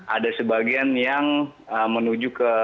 ada sebagian yang menuju ke tempat rumah